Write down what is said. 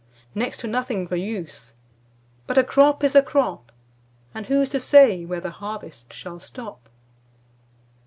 Next to nothing for use. But a crop is a crop, And who's to say where The harvest shall stop?